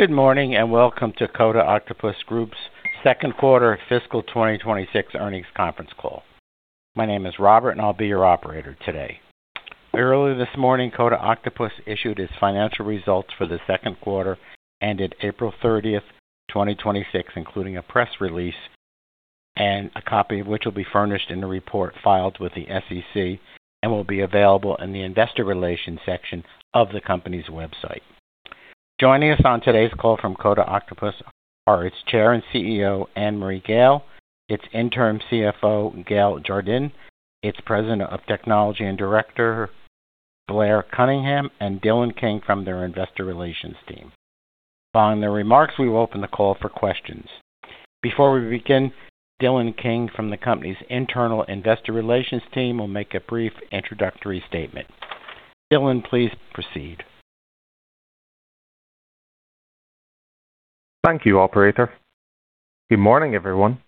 Good morning, and welcome to Coda Octopus Group's second quarter fiscal 2026 earnings conference call. My name is Robert, and I will be your operator today. Earlier this morning, Coda Octopus issued its financial results for the second quarter ended April 30, 2026, including a press release, a copy of which will be furnished in the report filed with the SEC and will be available in the investor relations section of the company's website. Joining us on today's call from Coda Octopus are its Chair and CEO, Annmarie Gayle, its Interim CFO, Gayle Jardine, its President of Technology and Director, Blair Cunningham, and Dillon King from their investor relations team. Following the remarks, we will open the call for questions. Before we begin, Dillon King from the company's internal investor relations team will make a brief introductory statement. Dillon, please proceed. Thank you, operator. Good morning, everyone,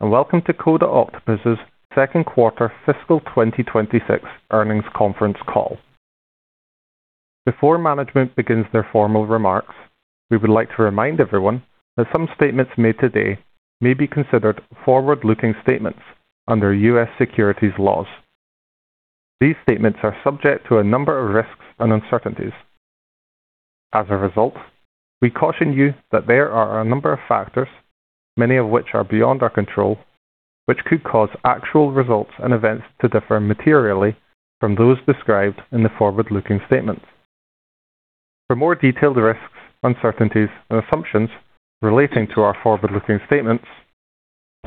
and welcome to Coda Octopus' second quarter fiscal 2026 earnings conference call. Before management begins their formal remarks, we would like to remind everyone that some statements made today may be considered forward-looking statements under U.S. securities laws. These statements are subject to a number of risks and uncertainties. As a result, we caution you that there are a number of factors, many of which are beyond our control, which could cause actual results and events to differ materially from those described in the forward-looking statements. For more detailed risks, uncertainties, and assumptions relating to our forward-looking statements,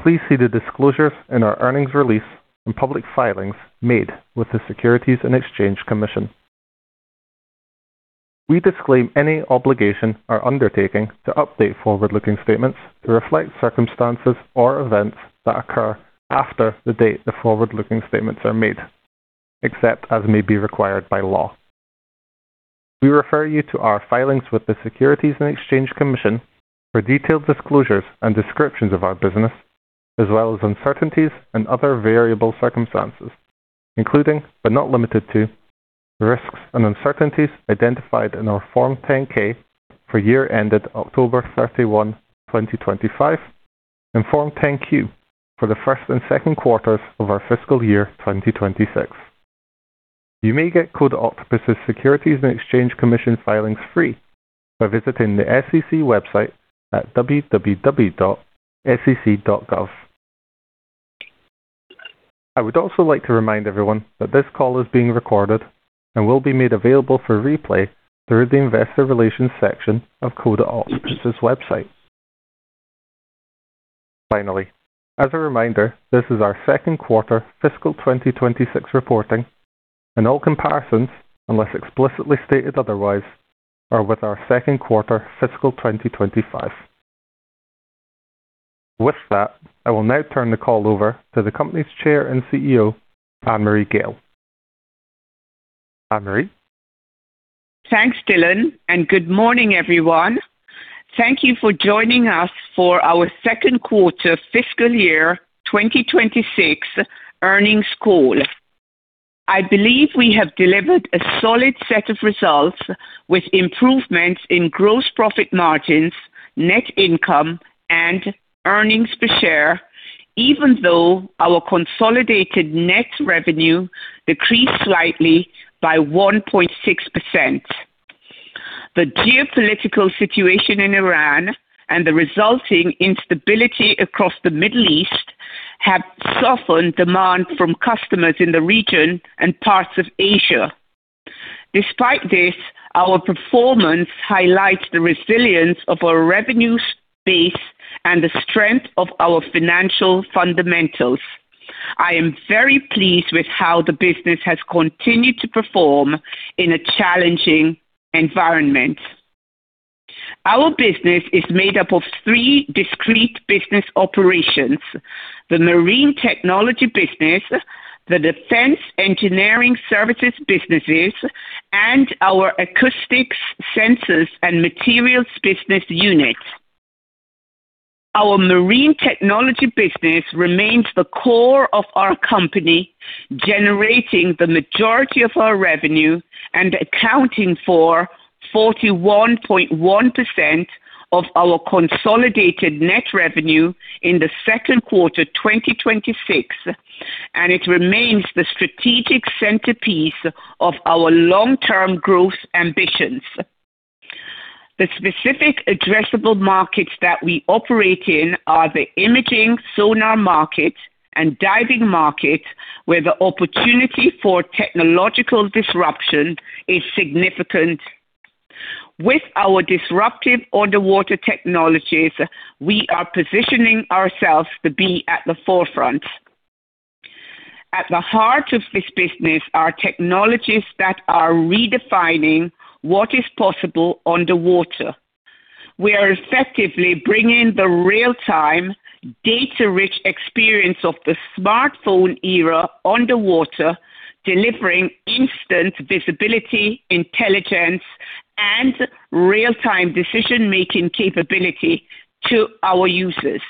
please see the disclosures in our earnings release and public filings made with the Securities and Exchange Commission. We disclaim any obligation or undertaking to update forward-looking statements to reflect circumstances or events that occur after the date the forward-looking statements are made, except as may be required by law. We refer you to our filings with the Securities and Exchange Commission for detailed disclosures and descriptions of our business, as well as uncertainties and other variable circumstances, including, but not limited to, risks and uncertainties identified in our Form 10-K for year ended October 31, 2025, and Form 10-Q for the first and second quarters of our fiscal year 2026. You may get Coda Octopus' Securities and Exchange Commission filings free by visiting the SEC website at www.sec.gov. I would also like to remind everyone that this call is being recorded and will be made available for replay through the investor relations section of Coda Octopus' website. Finally, as a reminder, this is our second quarter fiscal 2026 reporting, all comparisons, unless explicitly stated otherwise, are with our second quarter fiscal 2025. With that, I will now turn the call over to the company's Chair and CEO, Annmarie Gayle. Annmarie? Thanks, Dillon, and good morning, everyone. Thank you for joining us for our second quarter fiscal year 2026 earnings call. I believe we have delivered a solid set of results with improvements in gross profit margins, net income, and earnings per share, even though our consolidated net revenue decreased slightly by 1.6%. The geopolitical situation in Iran and the resulting instability across the Middle East have softened demand from customers in the region and parts of Asia. Despite this, our performance highlights the resilience of our revenue space and the strength of our financial fundamentals. I am very pleased with how the business has continued to perform in a challenging environment. Our business is made up of three discrete business operations, the Marine Technology business, the Defense Engineering Services businesses, and our Acoustic Sensors and Materials business unit. Our Marine Technology business remains the core of our company, generating the majority of our revenue and accounting for 41.1% of our consolidated net revenue in the second quarter 2026, and it remains the strategic centerpiece of our long-term growth ambitions. The specific addressable markets that we operate in are the imaging sonar market and diving market, where the opportunity for technological disruption is significant. With our disruptive underwater technologies, we are positioning ourselves to be at the forefront. At the heart of this business are technologies that are redefining what is possible underwater. We are effectively bringing the real-time, data-rich experience of the smartphone era underwater, delivering instant visibility, intelligence, and real-time decision-making capability to our users.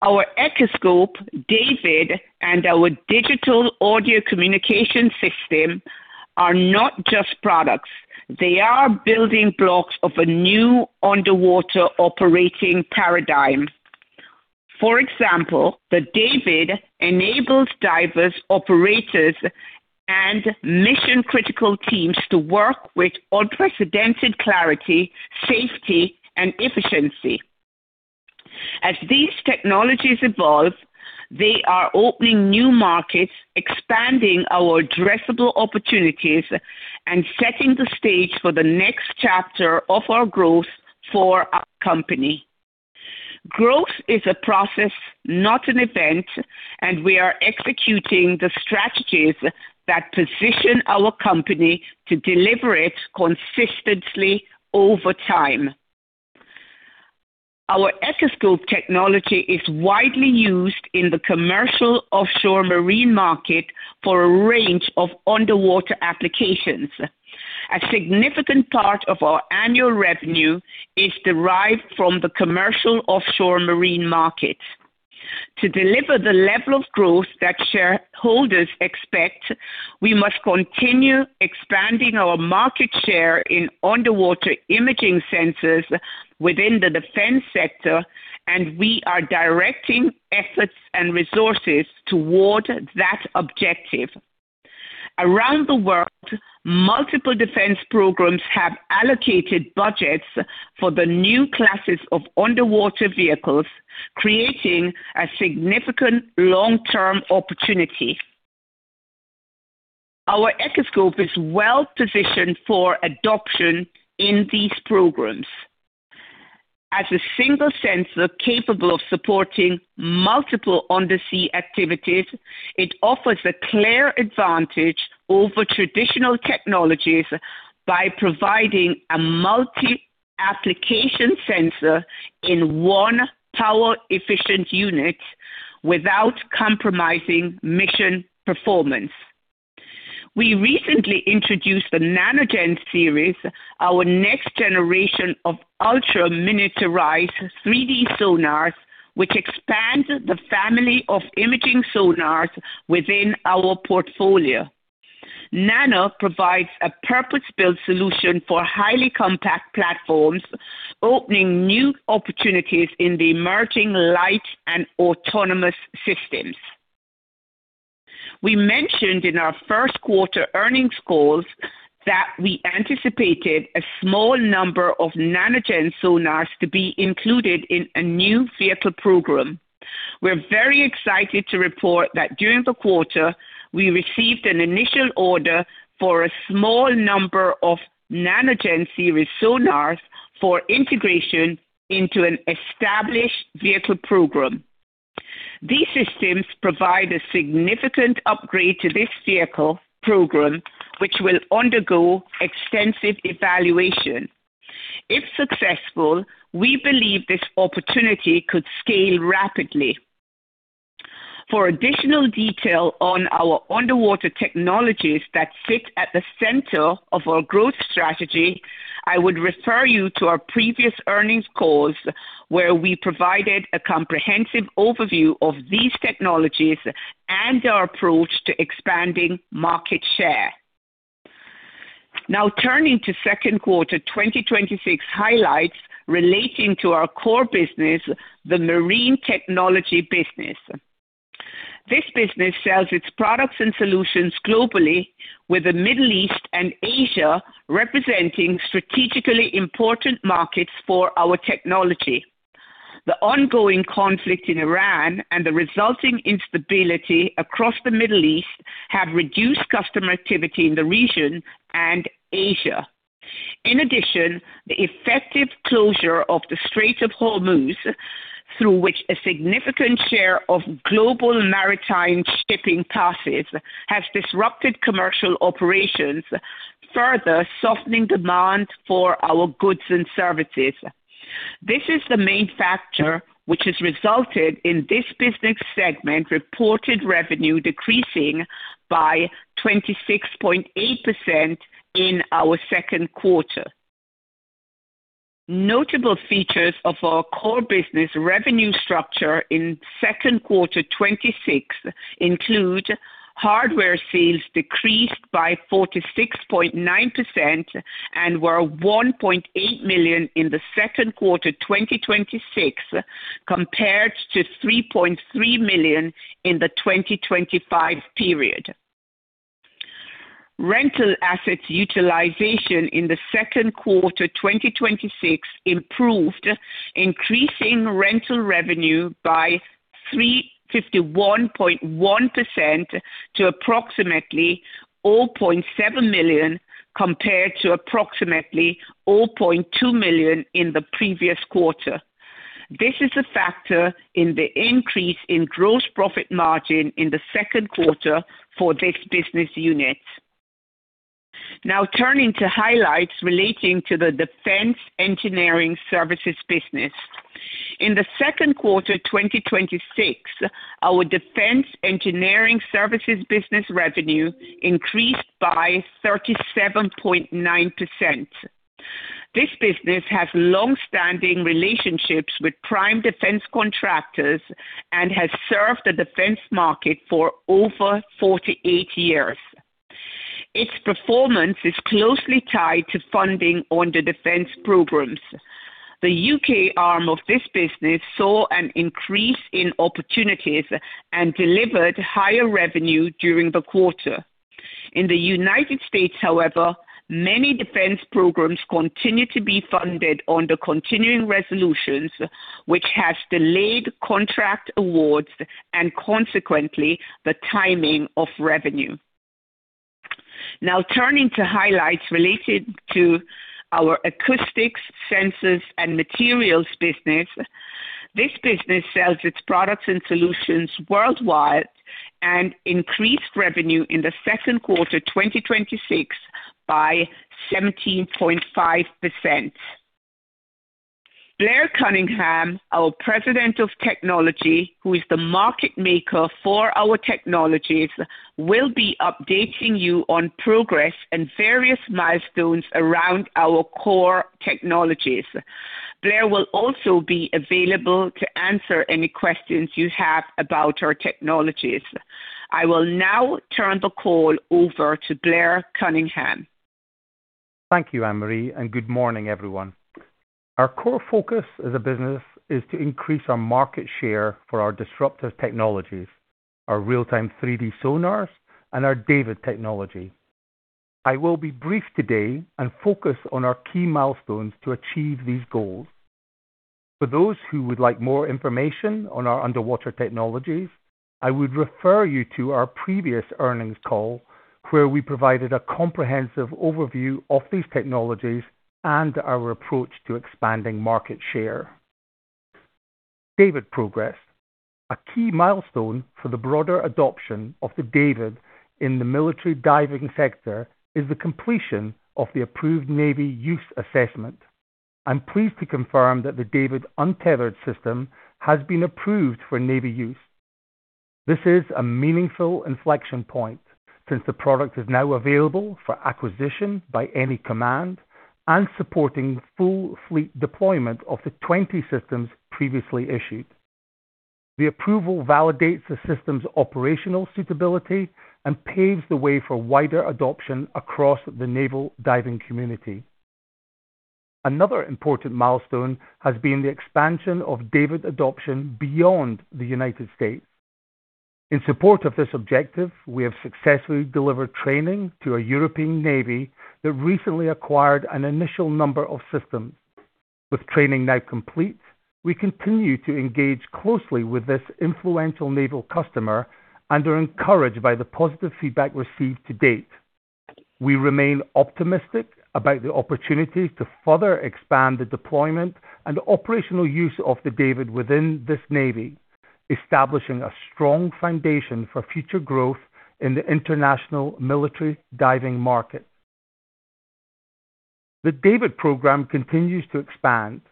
Our Echoscope, DAVD, and our digital audio communication system are not just products. They are building blocks of a new underwater operating paradigm. For example, the DAVD enables divers, operators, and mission-critical teams to work with unprecedented clarity, safety, and efficiency. As these technologies evolve, they are opening new markets, expanding our addressable opportunities, and setting the stage for the next chapter of our growth for our company. Growth is a process, not an event, and we are executing the strategies that position our company to deliver it consistently over time. Our Echoscope technology is widely used in the commercial offshore marine market for a range of underwater applications. A significant part of our annual revenue is derived from the commercial offshore marine market. To deliver the level of growth that shareholders expect, we must continue expanding our market share in underwater imaging sensors within the defense sector, and we are directing efforts and resources toward that objective. Around the world, multiple defense programs have allocated budgets for the new classes of underwater vehicles, creating a significant long-term opportunity. Our Echoscope is well-positioned for adoption in these programs. As a single sensor capable of supporting multiple undersea activities, it offers a clear advantage over traditional technologies by providing a multi-application sensor in one power-efficient unit without compromising mission performance. We recently introduced the NanoGen series, our next generation of ultra-miniaturized 3D sonars, which expands the family of imaging sonars within our portfolio. Nano provides a purpose-built solution for highly compact platforms, opening new opportunities in the emerging light and autonomous systems. We mentioned in our first quarter earnings calls that we anticipated a small number of NanoGen sonars to be included in a new vehicle program. We're very excited to report that during the quarter, we received an initial order for a small number of NanoGen series sonars for integration into an established vehicle program. These systems provide a significant upgrade to this vehicle program, which will undergo extensive evaluation. If successful, we believe this opportunity could scale rapidly. For additional detail on our underwater technologies that sit at the center of our growth strategy, I would refer you to our previous earnings calls, where we provided a comprehensive overview of these technologies and our approach to expanding market share. Now turning to second quarter 2026 highlights relating to our core business, the Marine Technology business. This business sells its products and solutions globally, with the Middle East and Asia representing strategically important markets for our technology. The ongoing conflict in Iran and the resulting instability across the Middle East have reduced customer activity in the region and Asia. The effective closure of the Strait of Hormuz, through which a significant share of global maritime shipping passes, has disrupted commercial operations, further softening demand for our goods and services. This is the main factor which has resulted in this business segment reported revenue decreasing by 26.8% in our second quarter. Notable features of our core business revenue structure in second quarter 2026 include hardware sales decreased by 46.9% and were $1.8 million in the second quarter 2026, compared to $3.3 million in the 2025 period. Rental assets utilization in the second quarter 2026 improved, increasing rental revenue by 351.1% to approximately $0.7 million, compared to approximately $0.2 million in the previous quarter. This is a factor in the increase in gross profit margin in the second quarter for this business unit. Now turning to highlights relating to the Defense Engineering Services business. In the second quarter 2026, our Defense Engineering Services business revenue increased by 37.9%. This business has longstanding relationships with prime defense contractors and has served the defense market for over 48 years. Its performance is closely tied to funding under defense programs. The U.K. arm of this business saw an increase in opportunities and delivered higher revenue during the quarter. In the United States, however, many defense programs continue to be funded under continuing resolutions, which has delayed contract awards and consequently, the timing of revenue. Now, turning to highlights related to our Acoustic Sensors and Materials business. This business sells its products and solutions worldwide and increased revenue in the second quarter 2026 by 17.5%. Blair Cunningham, our President of Technology, who is the market maker for our technologies, will be updating you on progress and various milestones around our core technologies. Blair will also be available to answer any questions you have about our technologies. I will now turn the call over to Blair Cunningham. Thank you, Annmarie, and good morning, everyone. Our core focus as a business is to increase our market share for our disruptive technologies, our real-time 3D sonars, and our DAVD technology. I will be brief today and focus on our key milestones to achieve these goals. For those who would like more information on our underwater technologies, I would refer you to our previous earnings call, where we provided a comprehensive overview of these technologies and our approach to expanding market share. DAVD progress. A key milestone for the broader adoption of the DAVD in the military diving sector is the completion of the approved Navy use assessment. I'm pleased to confirm that the DAVD Untethered System has been approved for Navy use. This is a meaningful inflection point since the product is now available for acquisition by any command and supporting full fleet deployment of the 20 systems previously issued. The approval validates the system's operational suitability and paves the way for wider adoption across the naval diving community. Another important milestone has been the expansion of DAVD adoption beyond the United States. In support of this objective, we have successfully delivered training to a European navy that recently acquired an initial number of systems. With training now complete, we continue to engage closely with this influential naval customer and are encouraged by the positive feedback received to date. We remain optimistic about the opportunity to further expand the deployment and operational use of the DAVD within this navy, establishing a strong foundation for future growth in the international military diving market. The DAVD program continues to expand.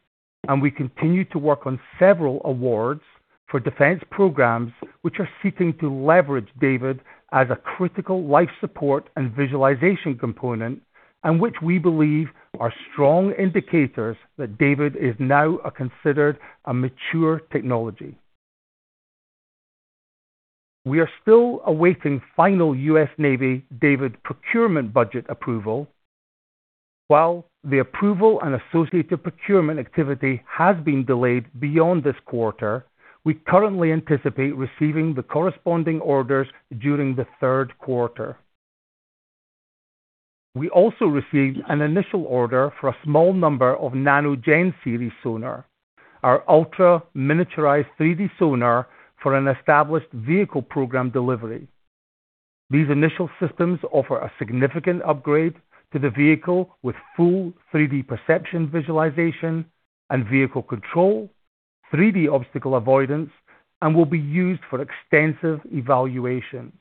We continue to work on several awards for defense programs, which are seeking to leverage DAVD as a critical life support and visualization component and which we believe are strong indicators that DAVD is now considered a mature technology. We are still awaiting final U.S. Navy DAVD procurement budget approval. While the approval and associated procurement activity has been delayed beyond this quarter, we currently anticipate receiving the corresponding orders during the third quarter. We also received an initial order for a small number of NanoGen Series sonar, our ultra-miniaturized 3D sonar for an established vehicle program delivery. These initial systems offer a significant upgrade to the vehicle with full 3D perception visualization and vehicle control, 3D obstacle avoidance, and will be used for extensive evaluation.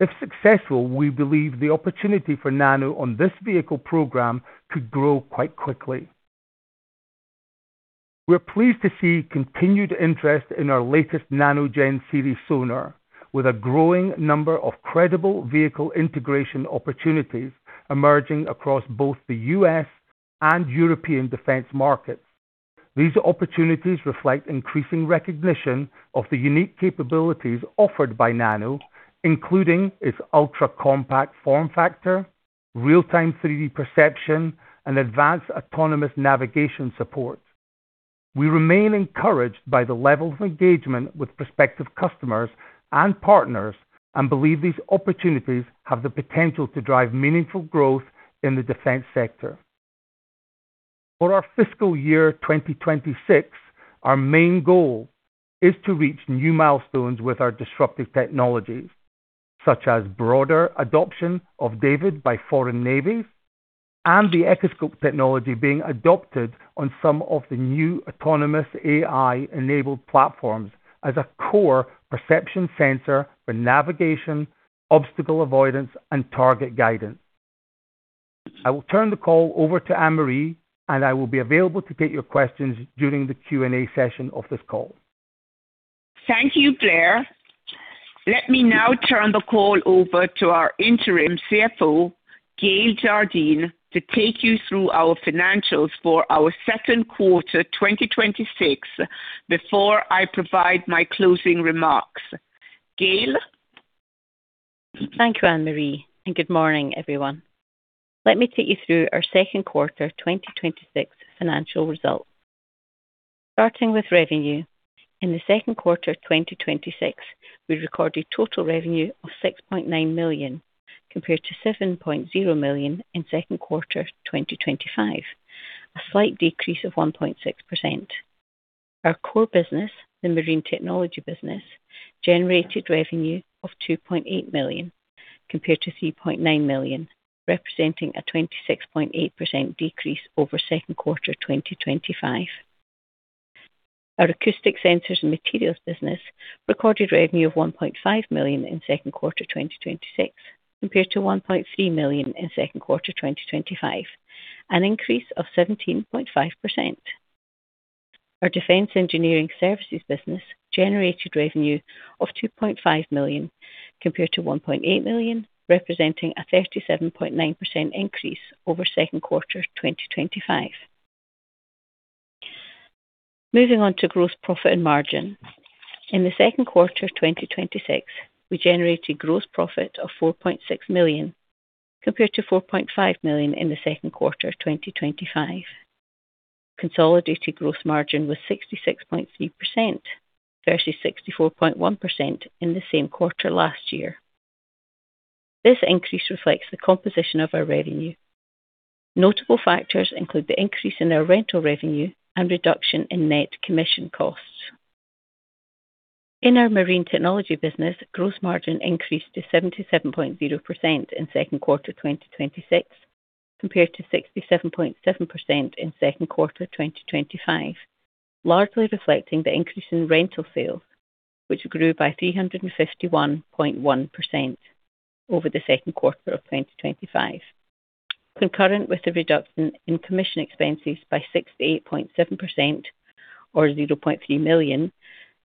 If successful, we believe the opportunity for Nano on this vehicle program could grow quite quickly. We're pleased to see continued interest in our latest NanoGen Series sonar with a growing number of credible vehicle integration opportunities emerging across both the U.S. and European defense markets. These opportunities reflect increasing recognition of the unique capabilities offered by Nano, including its ultra-compact form factor, real-time 3D perception, and advanced autonomous navigation support. We remain encouraged by the levels of engagement with prospective customers and partners and believe these opportunities have the potential to drive meaningful growth in the defense sector. For our fiscal year 2026, our main goal is to reach new milestones with our disruptive technologies, such as broader adoption of DAVD by foreign navies and the Echoscope technology being adopted on some of the new autonomous AI-enabled platforms as a core perception sensor for navigation, obstacle avoidance, and target guidance. I will turn the call over to Annmarie, and I will be available to take your questions during the Q&A session of this call. Thank you, Blair. Let me now turn the call over to our interim CFO, Gayle Jardine, to take you through our financials for our second quarter 2026, before I provide my closing remarks. Gayle? Thank you, Annmarie. Good morning, everyone. Let me take you through our second quarter 2026 financial results. Starting with revenue. In the second quarter of 2026, we recorded total revenue of $6.9 million, compared to $7.0 million in second quarter 2025, a slight decrease of 1.6%. Our core business, the Marine Technology business, generated revenue of $2.8 million, compared to $3.9 million, representing a 26.8% decrease over second quarter 2025. Our Acoustic Sensors and Materials business recorded revenue of $1.5 million in second quarter 2026, compared to $1.3 million in second quarter 2025, an increase of 17.5%. Our Defense Engineering Services business generated revenue of $2.5 million, compared to $1.8 million, representing a 37.9% increase over second quarter 2025. Moving on to gross profit and margin. In the second quarter of 2026, we generated gross profit of $4.6 million, compared to $4.5 million in the second quarter of 2025. Consolidated gross margin was 66.3%, versus 64.1% in the same quarter last year. This increase reflects the composition of our revenue. Notable factors include the increase in our rental revenue and reduction in net commission costs. In our Marine Technology business, gross margin increased to 77.0% in second quarter 2026, compared to 67.7% in second quarter 2025, largely reflecting the increase in rental sales, which grew by 351.1% over the second quarter of 2025. Concurrent with the reduction in commission expenses by 68.7%, or $0.3 million,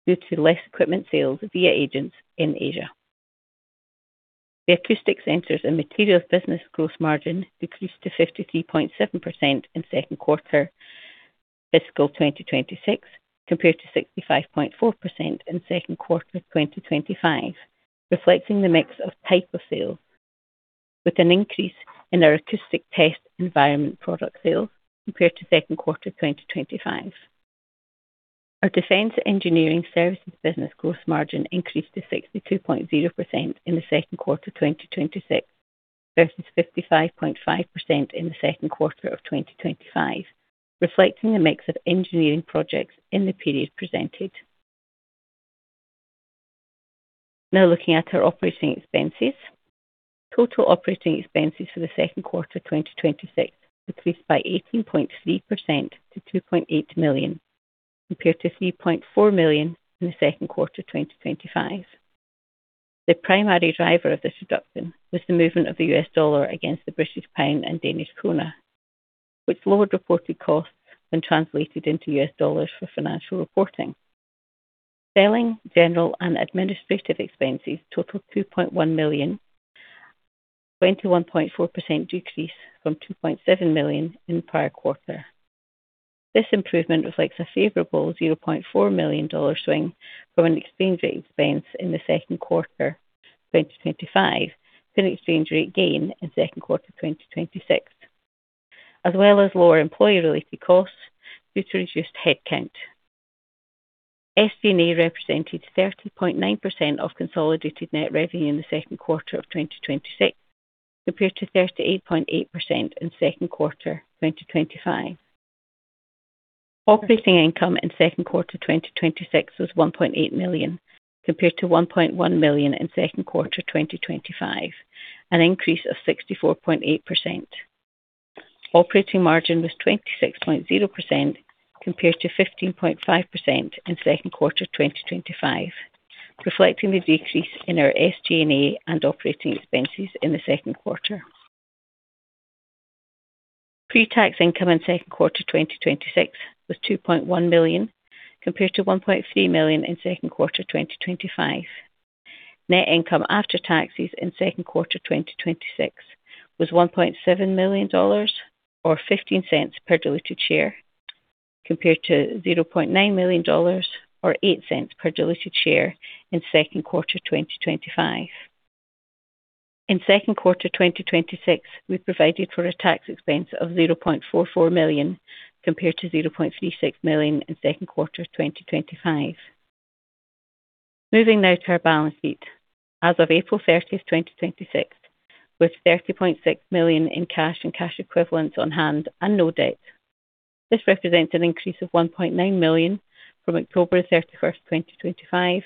due to less equipment sales via agents in Asia. The Acoustic Sensors and Materials business gross margin decreased to 53.7% in second quarter fiscal 2026, compared to 65.4% in second quarter 2025, reflecting the mix of type of sale, with an increase in our acoustic test environment product sales compared to second quarter 2025. Our Defense Engineering Services business gross margin increased to 62.0% in the second quarter 2026 versus 55.5% in the second quarter of 2025, reflecting the mix of engineering projects in the period presented. Looking at our operating expenses. Total operating expenses for the second quarter 2026 decreased by 18.3% to $2.8 million, compared to $3.4 million in the second quarter 2025. The primary driver of this reduction was the movement of the US dollar against the British pound and Danish krone, which lowered reported costs when translated into US dollars for financial reporting. Selling, general and administrative expenses totaled $2.1 million, a 21.4% decrease from $2.7 million in the prior quarter. This improvement reflects a favorable $0.4 million swing from an exchange rate expense in the second quarter 2025, to an exchange rate gain in second quarter 2026, as well as lower employee-related costs due to reduced headcount. SG&A represented 30.9% of consolidated net revenue in the second quarter of 2026, compared to 38.8% in second quarter 2025. Operating income in second quarter 2026 was $1.8 million, compared to $1.1 million in second quarter 2025, an increase of 64.8%. Operating margin was 26.0%, compared to 15.5% in second quarter 2025, reflecting the decrease in our SG&A and operating expenses in the second quarter. Pre-tax income in second quarter 2026 was $2.1 million, compared to $1.3 million in second quarter 2025. Net income after taxes in second quarter 2026 was $1.7 million, or $0.15 per diluted share, compared to $0.9 million or $0.08 per diluted share in second quarter 2025. In second quarter 2026, we provided for a tax expense of $0.44 million, compared to $0.36 million in second quarter 2025. Moving to our balance sheet. As of April 30th, 2026, with $30.6 million in cash and cash equivalents on hand and no debt. This represents an increase of $1.9 million from October 31st, 2025,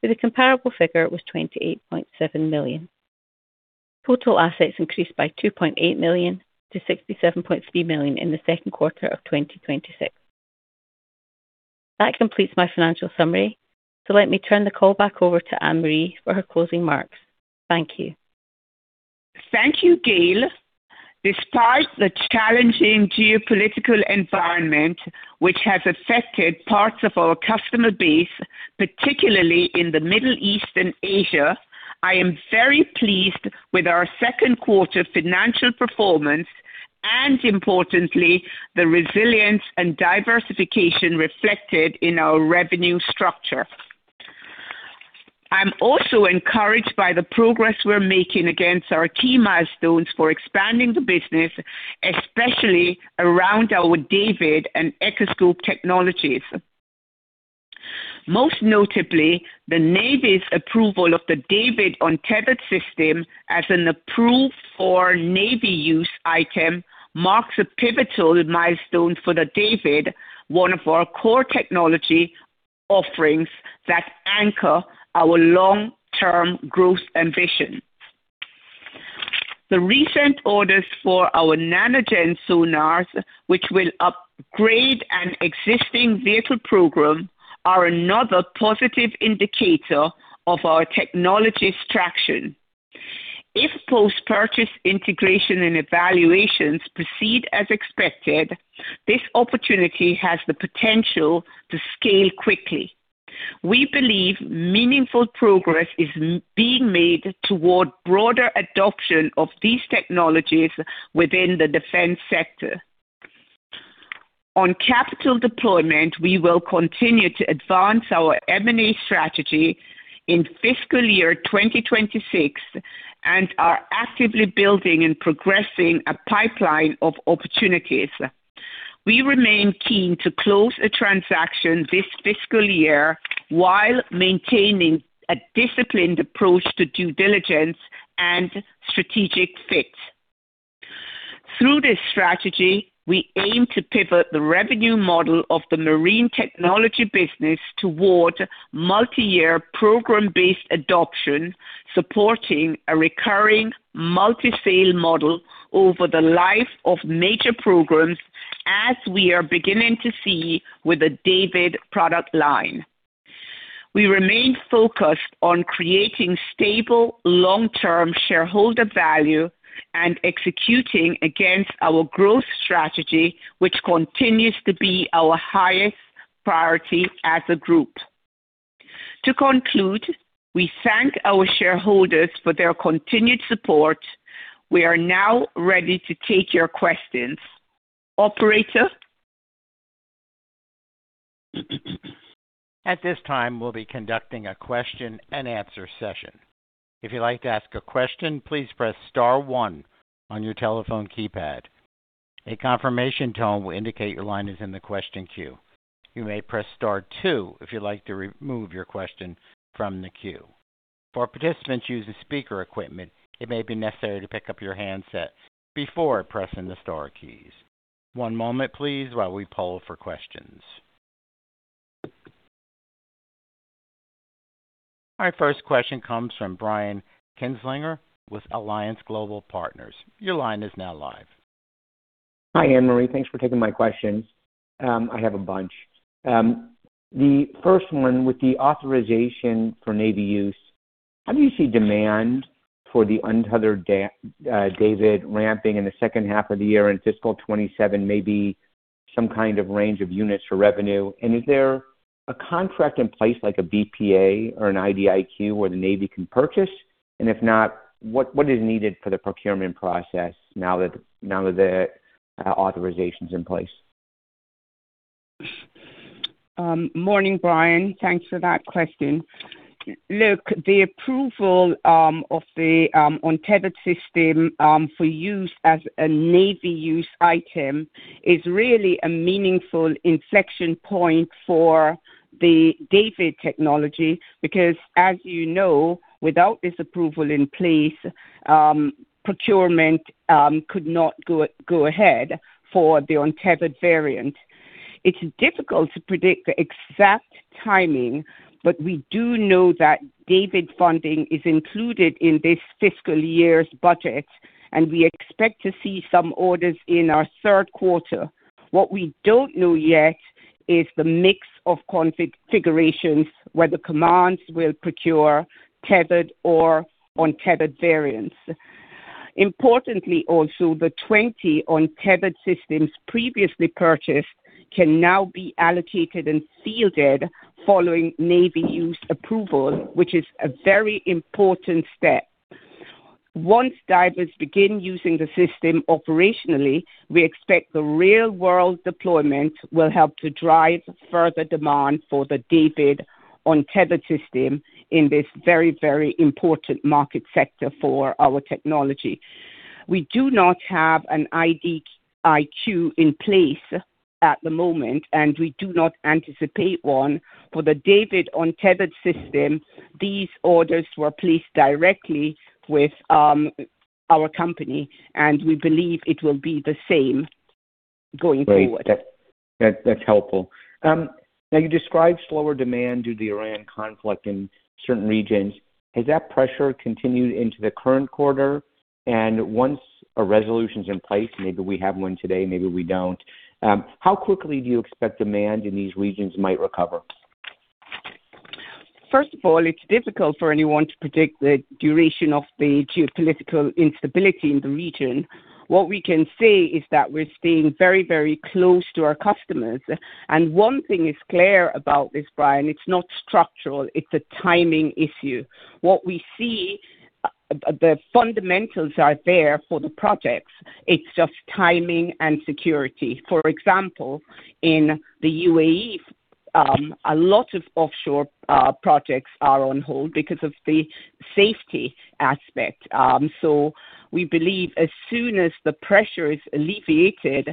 where the comparable figure was $28.7 million. Total assets increased by $2.8 million to $67.3 million in the second quarter of 2026. That completes my financial summary. Let me turn the call back over to Annmarie for her closing remarks. Thank you. Thank you, Gayle. Despite the challenging geopolitical environment which has affected parts of our customer base, particularly in the Middle East and Asia, I am very pleased with our second quarter financial performance and importantly, the resilience and diversification reflected in our revenue structure. I'm also encouraged by the progress we're making against our key milestones for expanding the business, especially around our DAVD and Echoscope technologies. Most notably, the Navy's approval of the DAVD untethered system as an approved for Navy use item marks a pivotal milestone for the DAVD, one of our core technology offerings that anchor our long-term growth ambitions. The recent orders for our NanoGen sonars, which will upgrade an existing vehicle program, are another positive indicator of our technology's traction. If post-purchase integration and evaluations proceed as expected, this opportunity has the potential to scale quickly. We believe meaningful progress is being made toward broader adoption of these technologies within the defense sector. On capital deployment, we will continue to advance our M&A strategy in fiscal year 2026 and are actively building and progressing a pipeline of opportunities. We remain keen to close a transaction this fiscal year while maintaining a disciplined approach to due diligence and strategic fit. Through this strategy, we aim to pivot the revenue model of the Marine Technology business toward multi-year program-based adoption, supporting a recurring multi-sale model over the life of major programs, as we are beginning to see with the DAVD product line. We remain focused on creating stable, long-term shareholder value and executing against our growth strategy, which continues to be our highest priority as a group. To conclude, we thank our shareholders for their continued support. We are now ready to take your questions. Operator? At this time, we'll be conducting a question and answer session. If you'd like to ask a question, please press star one on your telephone keypad. A confirmation tone will indicate your line is in the question queue. You may press star two if you'd like to remove your question from the queue. For participants using speaker equipment, it may be necessary to pick up your handset before pressing the star keys. One moment, please, while we poll for questions. Our first question comes from Brian Kinstlinger with Alliance Global Partners. Your line is now live. Hi, Annmarie. Thanks for taking my questions. I have a bunch. The first one, with the Authorization for Navy Use, how do you see demand for the untethered DAVD ramping in the second half of the year in fiscal year 2027, maybe some kind of range of units for revenue? Is there a contract in place like a BPA or an IDIQ where the Navy can purchase? If not, what is needed for the procurement process now that the authorization's in place? Morning, Brian. Thanks for that question. Look, the approval of the untethered system for use as a Navy Use item is really a meaningful inflection point for the DAVD technology because, as you know, without this approval in place, procurement could not go ahead for the untethered variant. It's difficult to predict the exact timing, but we do know that DAVD funding is included in this fiscal year's budget, and we expect to see some orders in our third quarter. What we don't know yet is the mix of configurations where the commands will procure tethered or untethered variants. Importantly, also, the 20 untethered systems previously purchased can now be allocated and fielded following Navy Use approval, which is a very important step. Once divers begin using the system operationally, we expect the real-world deployment will help to drive further demand for the DAVD Untethered System in this very, very important market sector for our technology. We do not have an IDIQ in place at the moment, and we do not anticipate one for the DAVD Untethered System. These orders were placed directly with our company, and we believe it will be the same going forward. Great. That's helpful. Now, you described slower demand due to the Iran conflict in certain regions. Has that pressure continued into the current quarter? Once a resolution's in place, maybe we have one today, maybe we don't, how quickly do you expect demand in these regions might recover? First of all, it's difficult for anyone to predict the duration of the geopolitical instability in the region. What we can say is that we're staying very close to our customers. One thing is clear about this, Brian, it's not structural, it's a timing issue. What we see, the fundamentals are there for the projects. It's just timing and security. For example, in the UAE, a lot of offshore projects are on hold because of the safety aspect. We believe as soon as the pressure is alleviated,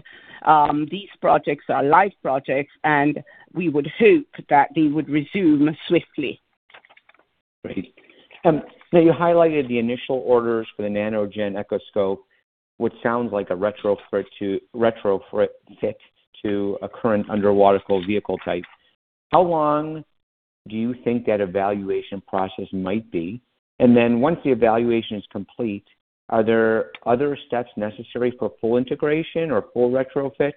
these projects are live projects, and we would hope that they would resume swiftly. Great. Now you highlighted the initial orders for the NanoGen Echoscope, which sounds like a retrofit to a current underwater vehicle type. How long do you think that evaluation process might be? Then once the evaluation is complete, are there other steps necessary for full integration or full retrofit?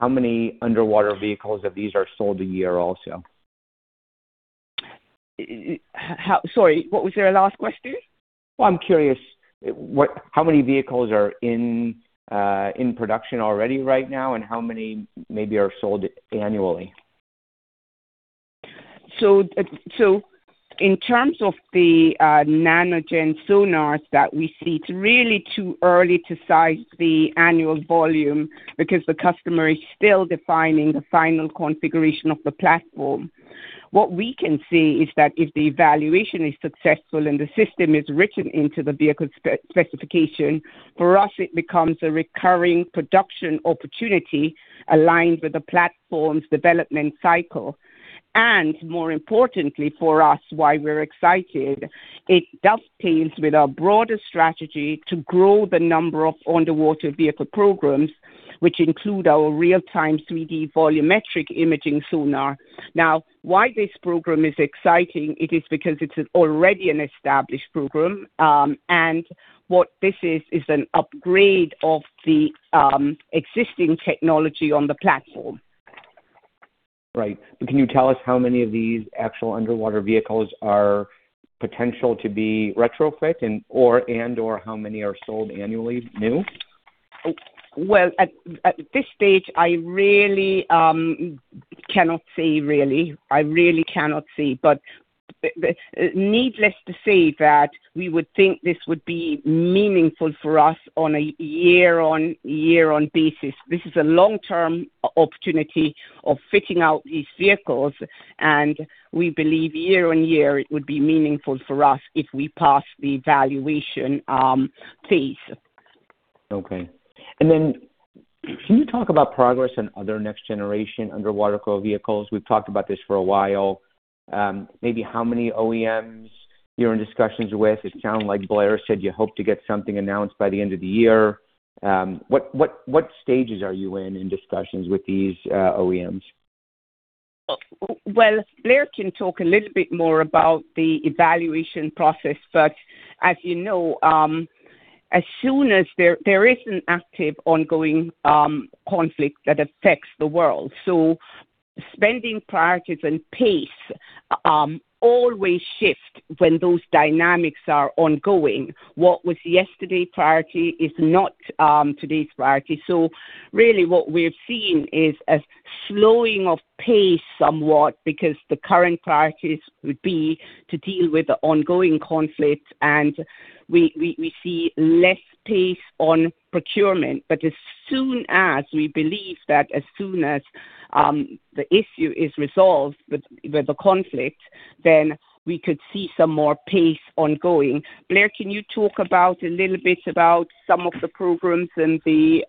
How many underwater vehicles of these are sold a year also? Sorry, what was your last question? Well, I'm curious how many vehicles are in production already right now, and how many maybe are sold annually? In terms of the NanoGen sonars that we see, it's really too early to size the annual volume because the customer is still defining the final configuration of the platform. What we can say is that if the evaluation is successful and the system is written into the vehicle specification, for us, it becomes a recurring production opportunity aligned with the platform's development cycle. More importantly for us, why we're excited, it dovetails with our broader strategy to grow the number of underwater vehicle programs, which include our real-time 3D volumetric imaging sonar. Why this program is exciting, it is because it's already an established program, and what this is an upgrade of the existing technology on the platform. Right. Can you tell us how many of these actual underwater vehicles are potential to be retrofit and/or how many are sold annually new? Well, at this stage, I really cannot say, really. I really cannot say. Needless to say that we would think this would be meaningful for us on a year-on-year basis. This is a long-term opportunity of fitting out these vehicles, and we believe year-on-year, it would be meaningful for us if we pass the evaluation phase. Okay. Can you talk about progress on other next-generation underwater vehicles? We've talked about this for a while. Maybe how many OEMs you're in discussions with. It sounded like Blair said you hope to get something announced by the end of the year. What stages are you in discussions with these OEMs? Well, Blair can talk a little bit more about the evaluation process, as you know, as soon as there is an active ongoing conflict that affects the world. Spending priorities and pace always shift when those dynamics are ongoing. What was yesterday priority is not today's priority. Really what we've seen is a slowing of pace somewhat because the current priorities would be to deal with the ongoing conflicts, and we see less pace on procurement. As soon as we believe that as soon as the issue is resolved with the conflict, then we could see some more pace ongoing. Blair, can you talk about a little bit about some of the programs and the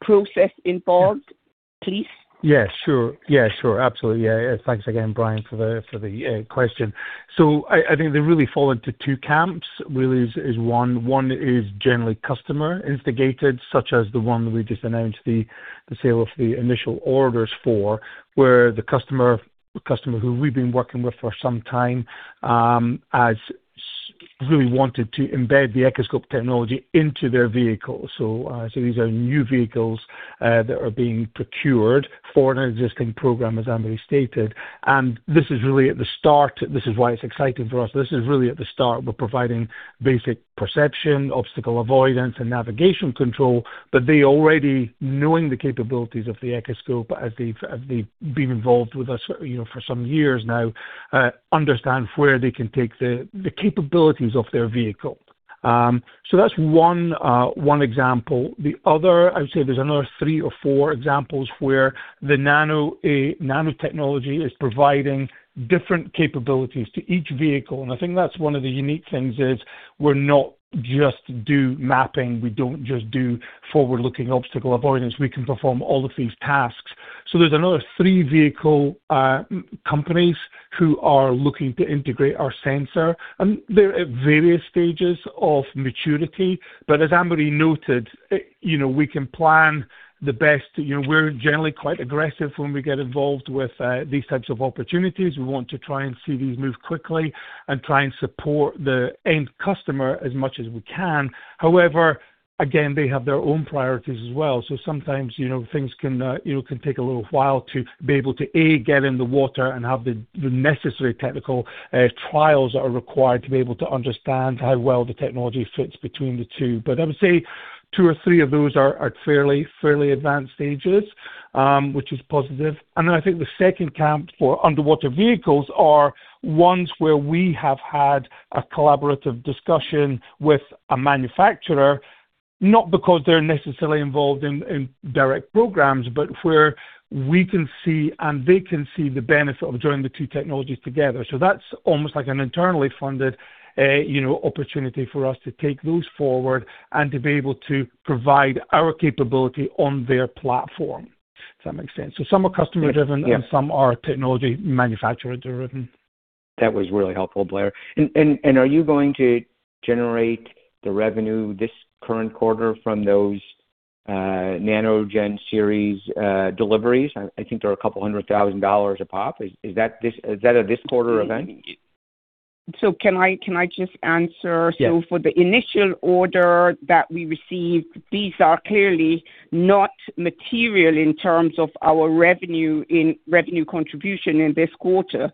process involved, please? Yeah, sure. Absolutely. Yeah. Thanks again, Brian, for the question. I think they really fall into two camps, really is one. One is generally customer instigated, such as the one we just announced the sale of the initial orders for, where the customer who we've been working with for some time has really wanted to embed the Echoscope technology into their vehicle. These are new vehicles that are being procured for an existing program, as Annmarie stated. This is really at the start. This is why it's exciting for us. This is really at the start. We're providing basic perception, obstacle avoidance, and navigation control. They already knowing the capabilities of the Echoscope as they've been involved with us for some years now, understand where they can take the capabilities of their vehicle. That's one example. I would say there's another three or four examples where the nanotechnology is providing different capabilities to each vehicle, and I think that's one of the unique things is we not just do mapping, we don't just do forward-looking obstacle avoidance. We can perform all of these tasks. There's another three vehicle companies who are looking to integrate our sensor, and they're at various stages of maturity. As Annmarie noted, we can plan the best. We're generally quite aggressive when we get involved with these types of opportunities. We want to try and see these move quickly and try and support the end customer as much as we can. Again, they have their own priorities as well. Sometimes things can take a little while to be able to get in the water and have the necessary technical trials that are required to be able to understand how well the technology fits between the two. I would say two or three of those are at fairly advanced stages, which is positive. Then I think the second camp for underwater vehicles are ones where we have had a collaborative discussion with a manufacturer, not because they're necessarily involved in direct programs, but where we can see, and they can see the benefit of joining the two technologies together. That's almost like an internally funded opportunity for us to take those forward and to be able to provide our capability on their platform. If that makes sense. Some are customer-driven- Yeah and some are technology manufacturer-driven. That was really helpful, Blair. Are you going to generate the revenue this current quarter from those NanoGen series deliveries? I think they're a couple $100,000 a pop. Is that a this quarter event? Can I just answer? Yes. For the initial order that we received, these are clearly not material in terms of our revenue contribution in this quarter.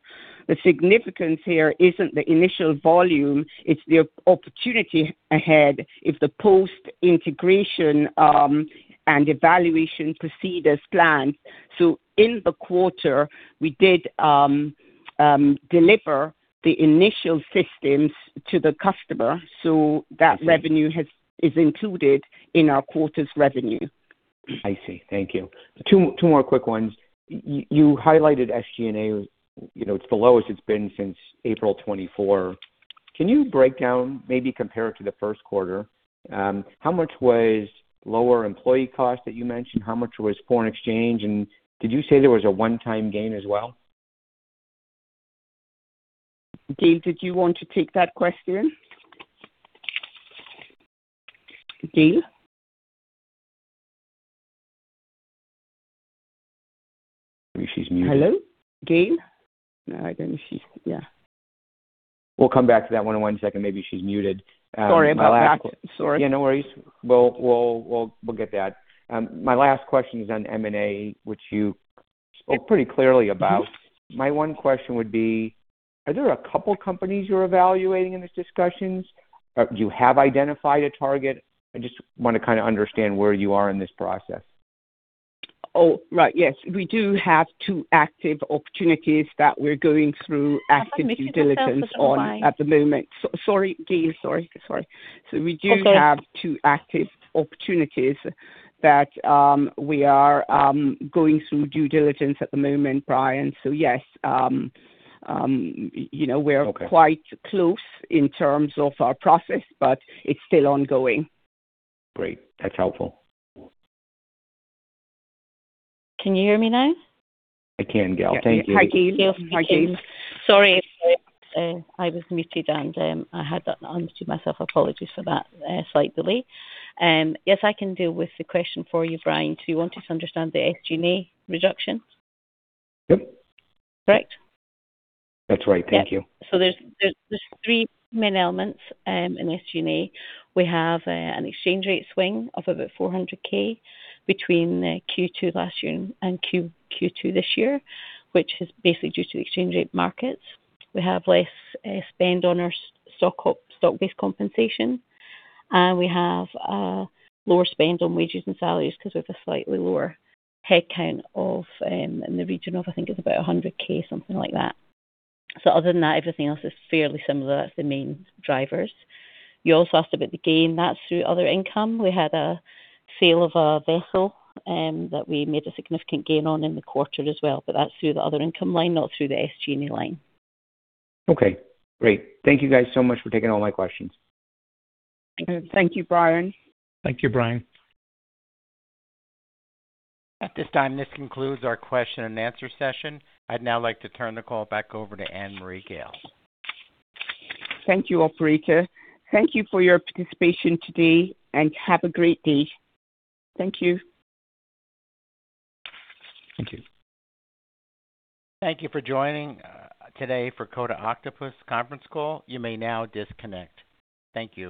The significance here isn't the initial volume, it's the opportunity ahead if the post-integration and evaluation proceed as planned. In the quarter, we did deliver the initial systems to the customer, that revenue is included in our quarter's revenue. I see. Thank you. Two more quick ones. You highlighted SG&A, it's the lowest it's been since April 2024. Can you break down, maybe compare to the first quarter, how much was lower employee cost that you mentioned? How much was foreign exchange? Did you say there was a one-time gain as well? Gayle, did you want to take that question? Gayle? Maybe she's muted. Hello? Gayle? I think she's Yeah. We'll come back to that one in one second. Maybe she's muted. Sorry about that. Sorry. Yeah, no worries. We'll get that. My last question is on M&A, which you spoke pretty clearly about. My one question would be, are there a couple companies you're evaluating in these discussions? Or do you have identified a target? I just want to kind of understand where you are in this process. Oh, right. Yes. We do have two active opportunities that we're going through active due diligence on at the moment. Sorry, Gayle. Sorry. We do have two active opportunities that we are going through due diligence at the moment, Brian. Yes. Okay quite close in terms of our process, but it's still ongoing. Great. That's helpful. Can you hear me now? I can, Gayle. Thank you. Hi, Gayle. Yes, thank you. Sorry if I was muted, and I had that unmuted myself. Apologies for that slight delay. Yes, I can deal with the question for you, Brian. You wanted to understand the SG&A reduction? Yep. Correct. That's right. Thank you. Yeah. There's three main elements in SG&A. We have an exchange rate swing of about $400,000 between the Q2 last year and Q2 this year, which is basically due to the exchange rate markets. We have less spend on our stock-based compensation, and we have a lower spend on wages and salaries because we have a slightly lower head count in the region of, I think, it's about $100,000, something like that. Other than that, everything else is fairly similar. That's the main drivers. You also asked about the gain. That's through other income. We had a sale of a vessel that we made a significant gain on in the quarter as well, but that's through the other income line, not through the SG&A line. Okay, great. Thank you guys so much for taking all my questions. Thank you, Brian. Thank you, Brian. At this time, this concludes our question and answer session. I'd now like to turn the call back over to Annmarie Gayle. Thank you, operator. Thank you for your participation today. Have a great day. Thank you. Thank you. Thank you for joining today for Coda Octopus conference call. You may now disconnect. Thank you